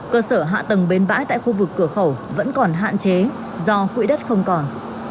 cơ sở hạ tầng bến bãi tại khu vực cửa khẩu vẫn còn hạn chế do quỹ đất không còn